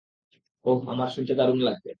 ওহ, আমার শুনতে দারুণ লাগবে।